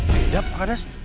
tidak pak kades